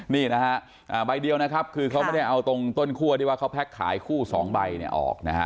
นี่นะฮะใบเดียวนะครับคือเขาไม่ได้เอาตรงต้นคั่วที่ว่าเขาแพ็คขายคู่๒ใบเนี่ยออกนะฮะ